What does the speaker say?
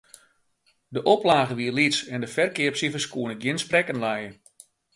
De oplage wie lyts en de ferkeapsifers koene gjin sprekken lije.